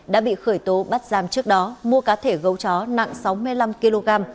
đã bị khởi tố bắt giam trước đó mua cá thể gấu chó nặng sáu mươi năm kg